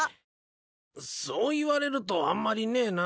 そう言われるとあんまりねえな。